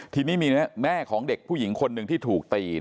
ทีนี้มีแม่ของเด็กผู้หญิงคนหนึ่งที่ถูกตี